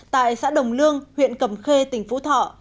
tại xã đồng lương huyện cầm khê tỉnh phú thọ